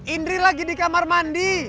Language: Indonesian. indri lagi di kamar mandi